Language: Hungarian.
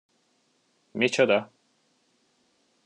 Micsoda?